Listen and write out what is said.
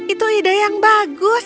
itu ide yang bagus